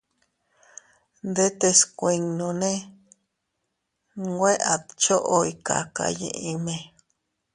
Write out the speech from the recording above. Ndetes kuinnone nwe a dchoy kakayiʼime.